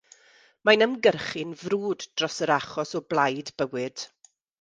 Mae'n ymgyrchu'n frwd dros yr achos o blaid bywyd.